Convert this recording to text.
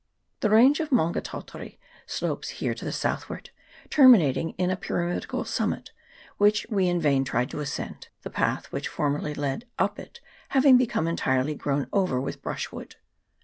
The range of Maunga Tautari slopes here to the southward, terminating in a pyramidical summit, which we in vain tried to ascend, the path which formerly led up it having become entirely grown over with brushwood.